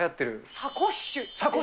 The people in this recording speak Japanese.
サコッシュ。